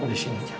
pak di sini saja